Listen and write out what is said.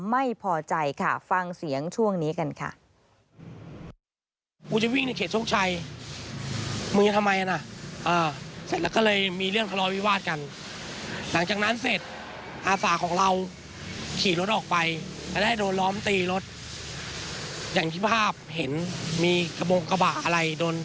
ไม่พอใจค่ะฟังเสียงช่วงนี้กันค่ะ